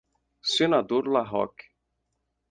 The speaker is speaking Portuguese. Senador La Rocque